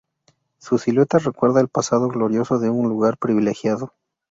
Su silueta recuerda el pasado glorioso de un lugar privilegiado.